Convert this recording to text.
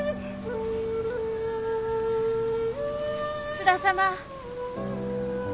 津田様。